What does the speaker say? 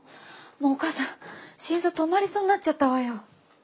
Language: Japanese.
もうお母さん心臓止まりそうになっちゃったわよ。